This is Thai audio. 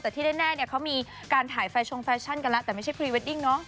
แต่ที่แน่เนี่ยเขามีการถ่ายแฟชงแฟชั่นกันแล้วแต่ไม่ใช่พรีเวดดิ้งเนาะ